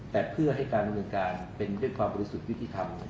แต่เพื่อให้การบริเวณการเป็นด้วยความรู้สึกยุทธิธรรม